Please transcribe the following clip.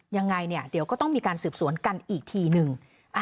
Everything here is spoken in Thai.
ยังไงเนี่ยเดี๋ยวก็ต้องมีการสืบสวนกันอีกทีหนึ่ง